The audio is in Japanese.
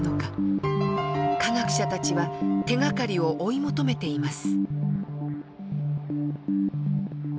科学者たちは手がかりを追い求めています。